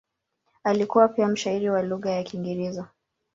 Alikuwa pia mshairi wa lugha ya Kiingereza.